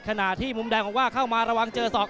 ขณะที่มุมแดงบอกว่าเข้ามาระวังเจอศอก